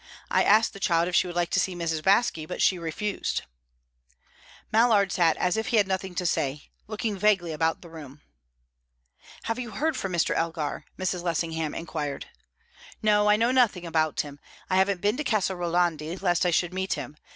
I asked the child if she would like to see Mrs. Baske, but she refused." Mallard sat as if he had nothing to say, looking vaguely about the room. "Have you heard from Mr. Elgar?" Mrs. Lessingham inquired. "No. I know nothing about him. I haven't been to Casa Rolandi, lest I should meet him.